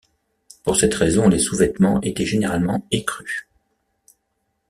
Pour cette raison, les sous-vêtements étaient généralement écrus.